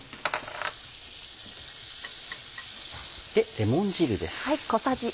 レモン汁です。